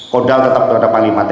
kodal tetap terhadap panglima tni